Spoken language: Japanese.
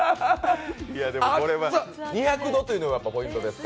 ２００度というのがポイントですか？